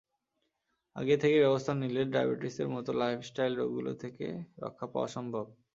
আগে থেকে ব্যবস্থা নিলে ডায়াবেটিসের মতো লাইফস্টাইল রোগগুলো থেকে রক্ষা পাওয়া সম্ভব।